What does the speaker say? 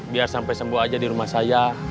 biar sampai sembuh aja di rumah saya